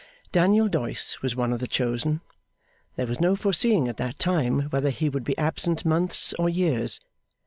Daniel Doyce was one of the chosen. There was no foreseeing at that time whether he would be absent months or years.